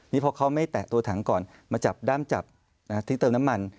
นี่พอเขาไม่แตะตัวถังก่อนมาจับด้ามจับที่เติมน้ำมัน